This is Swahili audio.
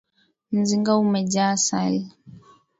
Mzinga umejaa asali.